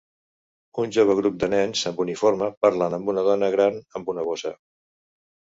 Un jove grup de nens amb uniforme parlen amb una dona gran amb una bossa.